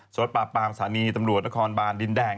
สวรรค์ปาปามสานีตำรวจนครบานดินแดง